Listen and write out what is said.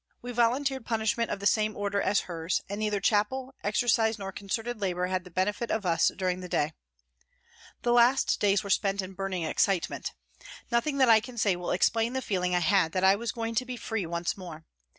We volunteered punishment of the same order as hers, and neither chapel, exercise, nor concerted labour had the benefit of us during the day. The last days were spent in burning excitement. Nothing that I can say will explain the feeling I had that I was going to be free once more.